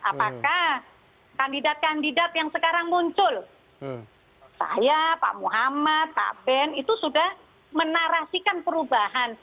apakah kandidat kandidat yang sekarang muncul saya pak muhammad pak ben itu sudah menarasikan perubahan